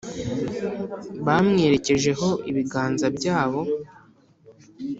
bamwerekejeho ibiganza byabo